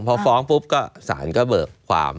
พอฟ้องปุ๊บก็สารก็เบิกความ